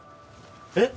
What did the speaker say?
えっ！？